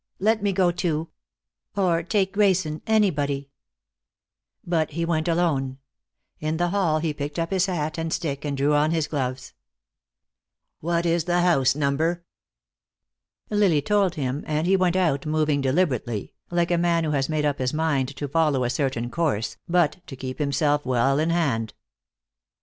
"Let me go, too. Or take Grayson anybody." But he went alone; in the hall he picked up his hat and stick, and drew on his gloves. "What is the house number?" Lily told him and he went out, moving deliberately, like a man who has made up his mind to follow a certain course, but to keep himself well in hand.